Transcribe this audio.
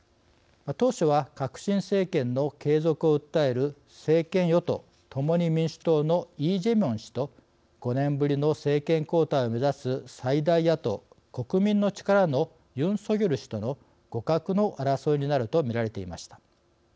当初は革新政権の継続を訴える政権与党共に民主党のイ・ジェミョン氏と５年ぶりの政権交代を目指す最大野党国民の力のユン・ソギョル氏との互角の争いになるとみられていました。